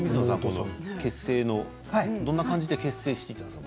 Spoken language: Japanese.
結成はどんな感じで結成したんですか。